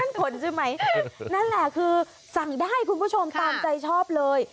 ขนใช่ไหมนั่นแหละคือสั่งได้คุณผู้ชมตามใจชอบเลย